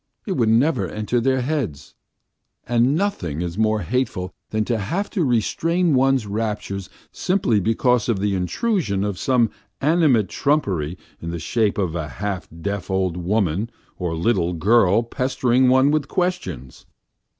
It would never enter their heads, and nothing is more hateful than to have to restrain one's raptures simply because of the intrusion of some animate trumpery in the shape of a half deaf old woman or little girl pestering one with questions.